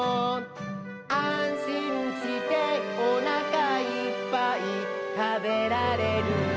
「あんしんしておなかいっぱいたべられる」